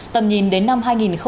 tầm nhìn đến năm hai nghìn ba mươi